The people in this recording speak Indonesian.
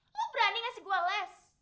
gue berani ngasih gue les